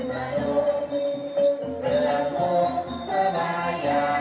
ชาวจิงควรช่วยสูญภาคไทยเป็นกาศือเรื่องจังหลวน